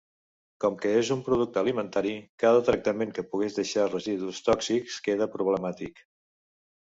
Com que és un producte alimentari, cada tractament que pogués deixar residus tòxics, queda problemàtic.